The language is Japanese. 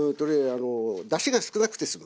あのだしが少なくて済む。